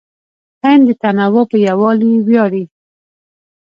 هند د تنوع په یووالي ویاړي.